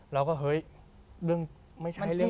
เราก็เฮ้ยเรื่องไม่ใช่เรื่อง